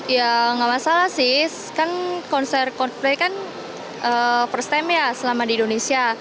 ya nggak masalah sih kan konser coldplay kan first time ya selama di indonesia